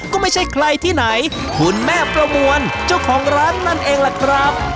ก็ไม่ใช่ใครที่ไหนคุณแม่ประมวลเจ้าของร้านนั่นเองล่ะครับ